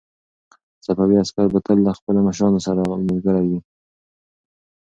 صفوي عسکر به تل له خپلو مشرانو سره ملګري ول.